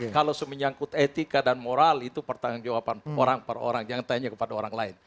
kalau menyangkut etika dan moral itu pertanggung jawaban orang per orang jangan tanya kepada orang lain